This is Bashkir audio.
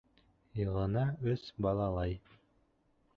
Йылына өс балалай.